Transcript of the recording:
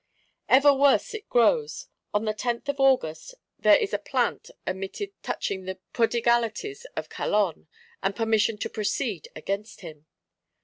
Ever worse it grows: on the 10th of August, there is "Plainte" emitted touching the "prodigalities of Calonne," and permission to "proceed" against him.